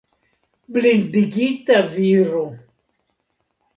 Blindigita viro!